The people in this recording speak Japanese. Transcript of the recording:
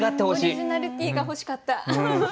オリジナリティーが欲しかった。